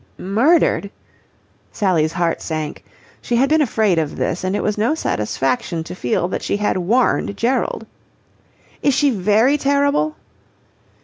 "Murdered!" Sally's heart sank. She had been afraid of this, and it was no satisfaction to feel that she had warned Gerald. "Is she very terrible?"